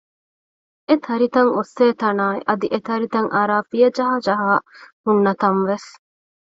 އެތަރިތައް އޮއްސޭތަނާއި އަދި އެތަރިތައް އަރައި ފިޔަޖަހަޖަހާ ހުންނަތަން ވެސް